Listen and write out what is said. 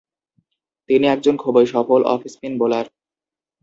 তিনি একজন খুবই সফল অফ স্পিন বোলার।